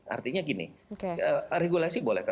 artinya gini regulasi boleh